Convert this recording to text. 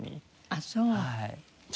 あっそう。